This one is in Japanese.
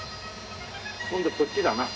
今度はこっちだな。